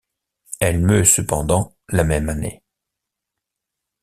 Elle meut cependant la même année.